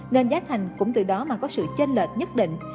nên giá thành cũng từ đó mà có sự chênh lệch nhất định